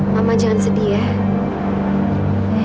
mama jangan sedih ya